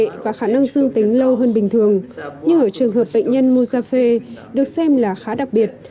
ông moussafe đang dương tính lâu hơn bình thường nhưng ở trường hợp bệnh nhân moussafe được xem là khá đặc biệt